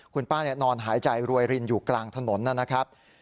คุณป้านอนหายใจรวยรินอยู่กลางถนนนะครับ